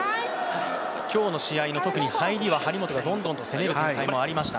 今日の試合の特に入りは、張本がどんどん攻める展開がありました。